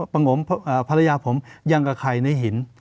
พังผมอย่างกับใครในหิน